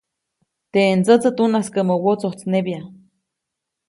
Teʼ ndsätsä tunaskäʼmä wotsojtsnebya.